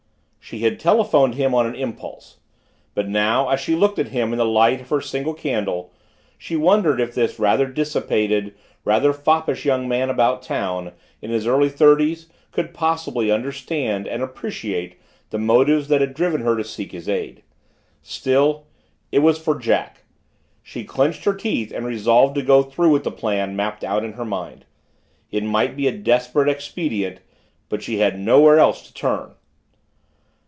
She had telephoned him on an impulse. But now, as she looked at him in the light of her single candle, she wondered if this rather dissipated, rather foppish young man about town, in his early thirties, could possibly understand and appreciate the motives that had driven her to seek his aid. Still, it was for Jack! She clenched her teeth and resolved to go through with the plan mapped out in her mind. It might be a desperate expedient but she had nowhere else to turn!